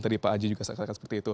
tadi pak aji juga saksikan seperti itu